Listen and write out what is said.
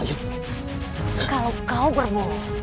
kalau kau berbohong